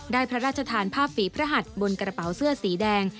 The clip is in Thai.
พระราชทานภาพฝีพระหัดบนกระเป๋าเสื้อสีแดง